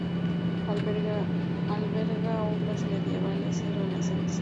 Alberga obras medievales y renacentistas.